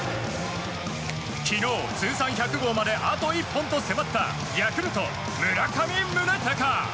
昨日、通算１００号まであと１本と迫ったヤクルト、村上宗隆。